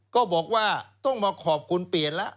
ก็บอกว่าต้องมาขอบคุณเปลี่ยนแล้ว